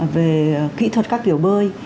về kỹ thuật các kiểu bơi